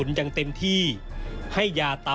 แม่จะมาเรียกร้องอะไร